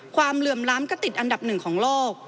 เหลื่อมล้ำก็ติดอันดับหนึ่งของโลก